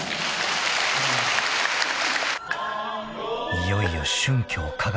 ［いよいよ］